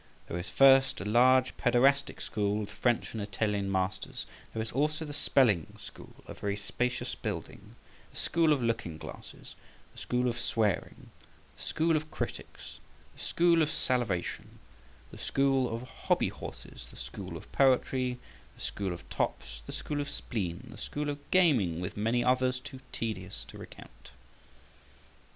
There is, first, a large pederastic school, with French and Italian masters; there is also the spelling school, a very spacious building; the school of looking glasses; the school of swearing; the school of critics; the school of salivation; the school of hobby horses; the school of poetry; the school of tops; the school of spleen; the school of gaming; with many others too tedious to recount.